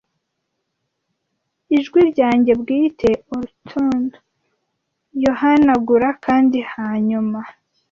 Ijwi ryanjye bwite, orotund yohanagura kandi yanyuma.